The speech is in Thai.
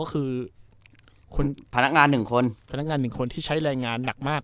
มันก็คือคนพนักงานหนึ่งคนพนักงานหนึ่งคนที่ใช้แรงงานหนักมาก